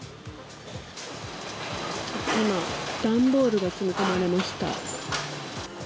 今、段ボールが積み込まれました。